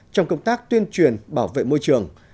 trong công tác tuyên truyền bảo vệ môi trường